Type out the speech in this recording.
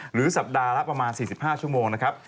หรือสัปดาห์ละประมาณ๔๕ชั่วโมงนะครับ